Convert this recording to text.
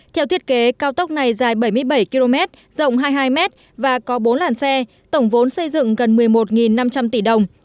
theo thiết kế cao tốc này dài bảy mươi bảy km rộng hai mươi hai m và có bốn làn xe tổng vốn xây dựng gần một mươi một năm trăm linh tỷ đồng